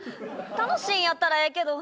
楽しいんやったらええけど。